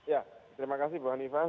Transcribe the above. ya terima kasih bu hanifah